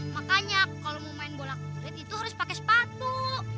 makanya kalau mau main bola kulit itu harus pakai sepatu